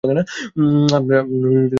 আপনার পরিবারে কেউ থাকে না?